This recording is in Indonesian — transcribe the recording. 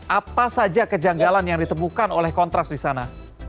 apa saja kejanggalan yang ditemukan oleh kontras di sana